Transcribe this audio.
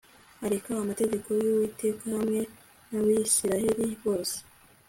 areka amategeko y'uwiteka hamwe n'abisirayeli bose